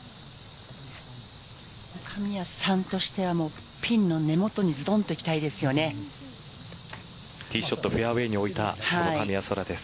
神谷さんとしてはピンの根元にティーショットフェアウエーにおいた神谷そらです。